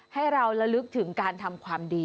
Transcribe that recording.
ให้เราระลึกถึงการทำความดี